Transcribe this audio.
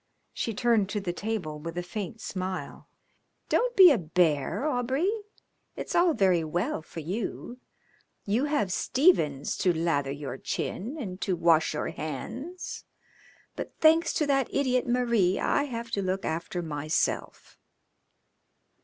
She turned to the table with a faint smile. "Don't be a bear, Aubrey. It's all very well for you. You have Stephens to lather your chin and to wash your hands, but thanks to that idiot Marie, I have to look after myself."